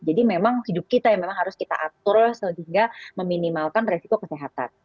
memang hidup kita yang memang harus kita atur sehingga meminimalkan resiko kesehatan